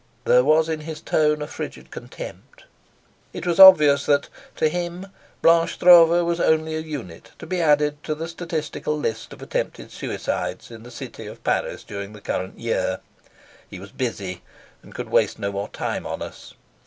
There was in his tone a frigid contempt. It was obvious that to him Blanche Stroeve was only a unit to be added to the statistical list of attempted suicides in the city of Paris during the current year. He was busy, and could waste no more time on us.